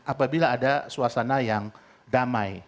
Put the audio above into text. apabila ada suasana yang damai